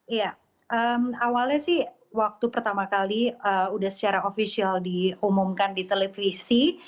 iya awalnya sih waktu pertama kali udah secara ofisial diumumkan di televisi